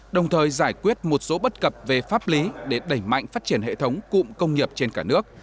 đồng thời giải quyết một số bất cập về pháp lý để đẩy mạnh phát triển hệ thống cụm công nghiệp trên cả nước